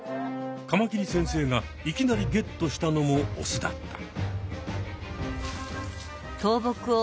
カマキリ先生がいきなりゲットしたのもオスだった。